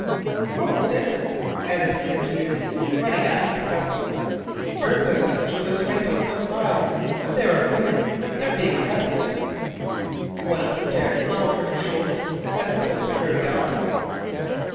"Oh, what is it?" Annesley entreated, running after the couple. "Burglars at a jeweller's window close by there are women they're being arrested," one of the pair flung over her shoulder, as both hurried on.